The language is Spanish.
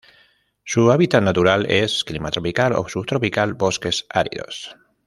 Su hábitat natural es: Clima tropical o subtropical, bosques áridos.